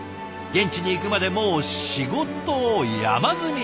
現地に行くまでもう仕事山積み。